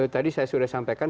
tadi saya sudah sampaikan